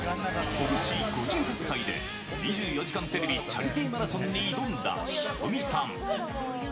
ことし５８歳で２４時間テレビチャリティーマラソンに挑んだヒロミさん。